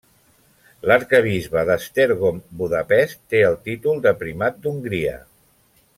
L'arquebisbe d'Esztergom-Budapest té el títol de Primat d'Hongria.